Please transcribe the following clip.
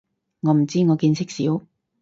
我唔知，我見識少